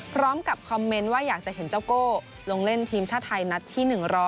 พร้อมกับคอมเมนต์ว่าอยากจะเห็นเจ้าโก้ลงเล่นทีมชาติไทยนัดที่๑๐๐